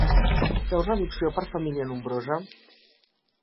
Feu reducció per família nombrosa?